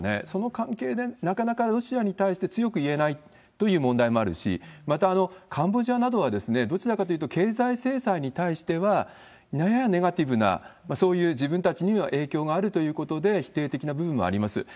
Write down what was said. その関係でなかなかロシアに対して強く言えないという問題もあるし、またカンボジアなどはどちらかというと、経済制裁に対してはややネガティブな、自分たちに影響があるということで否定的な部分もあります。